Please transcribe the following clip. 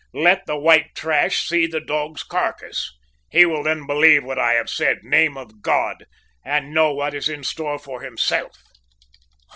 `Let the "white trash" see the dog's carcass! He will then believe what I have said, Name of God! and know what is in store for himself!'